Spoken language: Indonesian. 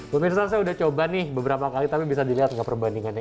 pemirsa saya udah coba nih beberapa kali tapi bisa dilihat nggak perbandingannya